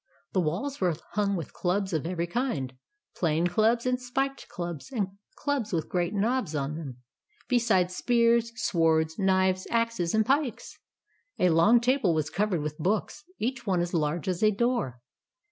The walls were hung with clubs of every kind, — plain clubs and spiked clubs, and clubs with great knobs on them — be sides spears, swords, knives, axes, and pikes. A long table was covered with books, each one as large as a door.